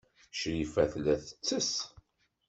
Crifa tella tettess.